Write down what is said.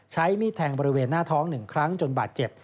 ใช้มีดแทงบริเวณหน้าท้อง๑ครั้งจนบาดเจ็บ